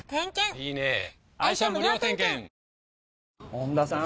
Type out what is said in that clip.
恩田さん